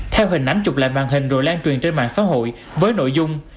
theo hình ảnh chụp lại màn hình rồi lan truyền trên mạng xã hội với nội dung